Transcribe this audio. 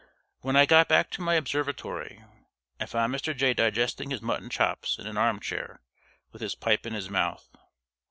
When I got back to my observatory, I found Mr. Jay digesting his mutton chops in an armchair, with his pipe in his mouth.